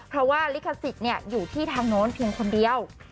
เพราะว่าลิขสิทธิ์อยู่ที่ทางโน้นเพียงคนเดียว